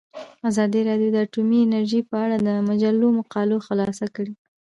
ازادي راډیو د اټومي انرژي په اړه د مجلو مقالو خلاصه کړې.